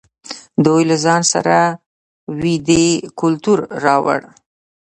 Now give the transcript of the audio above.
دوی له ځان سره ویدي کلتور راوړ.